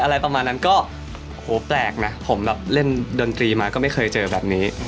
อะไรประมาณนั้นก็โหแปลกนะผมแบบเล่นดนตรีมาก็ไม่เคยเจอแบบนี้